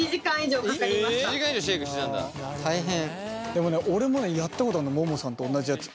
でもね俺もねやったことあんのももさんと同じやつ。